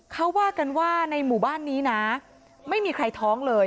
เขาว่ากันว่าในหมู่บ้านนี้นะไม่มีใครท้องเลย